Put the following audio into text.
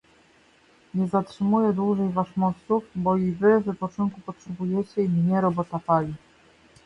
"Nie zatrzymuję dłużej waszmościów, bo i wy wypoczynku potrzebujecie i mnie robota pali."